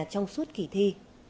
trong suốt kỳ thi